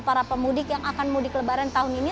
para pemudik yang akan mudik lebaran tahun ini